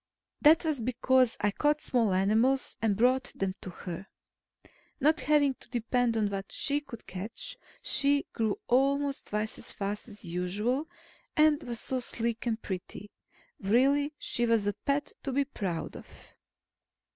That was because I caught small animals and brought them to her. Not having to depend on what she could catch, she grew almost twice as fast as usual, and was so sleek and pretty. Really, she was a pet to be proud of.